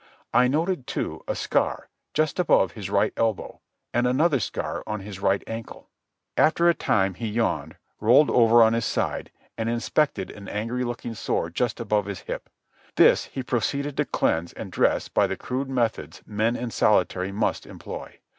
I noted, too, a scar, just above his right elbow, and another scar on his right ankle. After a time he yawned, rolled over on his side, and inspected an angry looking sore just above his hip. This he proceeded to cleanse and dress by the crude methods men in solitary must employ.